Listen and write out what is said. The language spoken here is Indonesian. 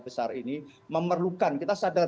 besar ini memerlukan kita sadar